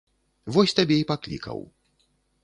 Вось табе і паклікаў.